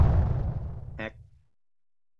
แฮ็ก